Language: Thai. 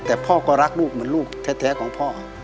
แต่พ่อก็รักลูกเหมือนลูกแท้ของพ่อ